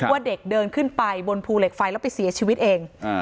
ว่าเด็กเดินขึ้นไปบนภูเหล็กไฟแล้วไปเสียชีวิตเอง